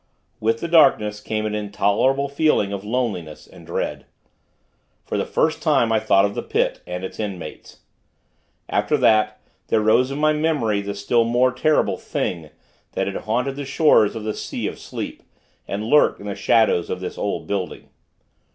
With the darkness, came an intolerable feeling of loneliness and dread. For the first time, I thought of the Pit, and its inmates. After that, there rose in my memory the still more terrible Thing, that had haunted the shores of the Sea of Sleep, and lurked in the shadows of this old building.